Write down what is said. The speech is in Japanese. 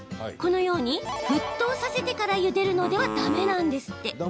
このように沸騰させてからゆでるのでは駄目なんですって。